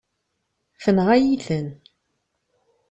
Tenɣa-yi-ten.